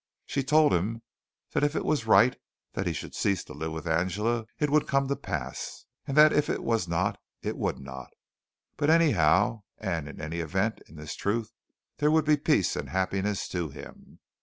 She told him that if it was right that he should cease to live with Angela, it would come to pass, and that if it was not, it would not; but anyhow and in any event in this truth there would be peace and happiness to him.